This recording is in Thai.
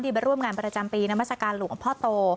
มาร่วมงานประจำปีนามัศกาลหลวงพ่อโต